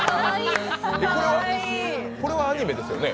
これはアニメですよね？